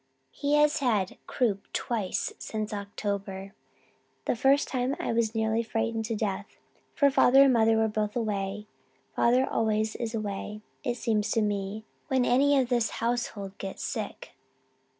He has had croup twice since October. The first time I was nearly frightened to death, for father and mother were both away father always is away, it seems to me, when any of this household gets sick.